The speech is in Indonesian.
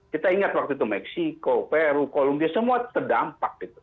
kita ingat waktu itu meksiko peru kolumbia semua terdampak